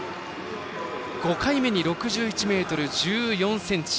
５回目に６１ｍ１４ｃｍ。